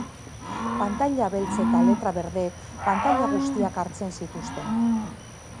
Pantaila beltz eta letra berdeek pantaila guztiak hartzen zituzten.